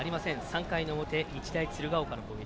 ３回の表、日大鶴ヶ丘の攻撃。